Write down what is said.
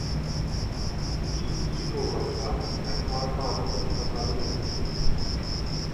يېشىم كىچىك بولغاچقا، مەن ئارقا-ئارقىدىن خاتالىق ئۆتكۈزدۈم.